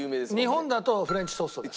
日本だとフレンチトーストです。